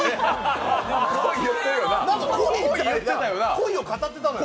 恋を語ってたのよ。